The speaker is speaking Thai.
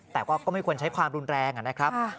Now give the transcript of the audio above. แต่ก็ไม่ควรใช้ความรุนแรงนะครับ